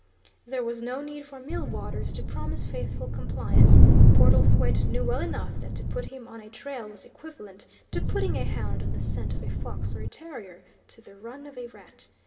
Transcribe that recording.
There was no need for Millwaters to promise faithful compliance; Portlethwaite knew well enough that to put him on a trail was equivalent to putting a hound on the scent of a fox or a terrier to the run of a rat.